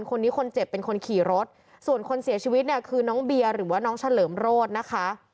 คนนี้คนเจ็บเป็นคนขี่รถส่วนคนเสียชีวิตเนี่ยคือน้องเบียร์หรือว่าน้องเฉลิมโรธนะคะ